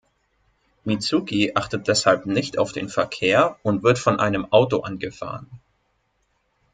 Mizuki achtet deshalb nicht auf den Verkehr und wird von einem Auto angefahren.